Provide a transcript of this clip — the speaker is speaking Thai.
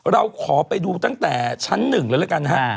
เราขอไปดูตั้งแต่ชั้น๑เลยแล้วกันนะฮะ